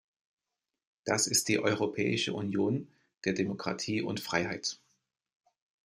Das ist die Europäische Union der Demokratie und Freiheit.